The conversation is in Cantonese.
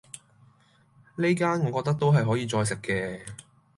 呢間我覺得都係可以再食既